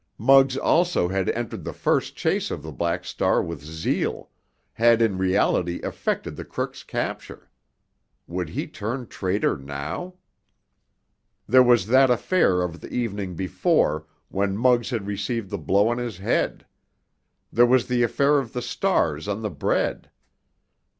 Muggs also had entered the first chase of the Black Star with zeal, had in reality effected the crook's capture. Would he turn traitor now? There was that affair of the evening before, when Muggs had received the blow on his head. There was the affair of the stars on the bread.